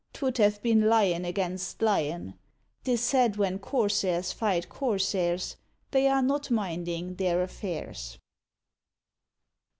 'Twould have been Lion against Lion. 'Tis said when Corsairs fight Corsairs, They are not minding their affairs.